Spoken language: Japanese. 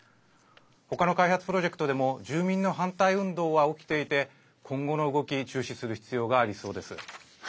他の開発プロジェクトでも住民の反対運動は起きていて今後の動きに注視する必要がありそうです。